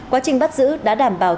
quá trình bắt giữ đã đảm bảo